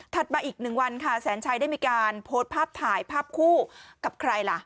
มาอีกหนึ่งวันค่ะแสนชัยได้มีการโพสต์ภาพถ่ายภาพคู่กับใครล่ะ